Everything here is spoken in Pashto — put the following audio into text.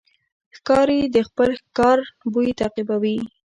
ښکاري د خپل ښکار بوی تعقیبوي.